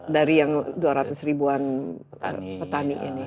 dari yang dua ratus ribuan petani ini